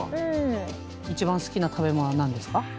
一番好きな食べ物は何ですか？